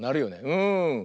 うん。